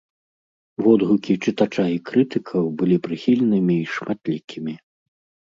Водгукі чытача і крытыкаў былі прыхільнымі і шматлікімі.